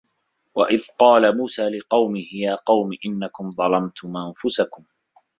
وَإِذْ قَالَ مُوسَىٰ لِقَوْمِهِ يَا قَوْمِ إِنَّكُمْ ظَلَمْتُمْ أَنْفُسَكُمْ